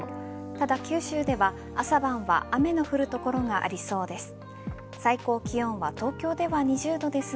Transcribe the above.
ただ九州では朝晩は雨の降る所がありそうです。